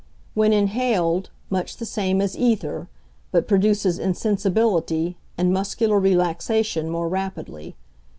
When inhaled, much the same as ether, but produces insensibility and muscular relaxation more rapidly.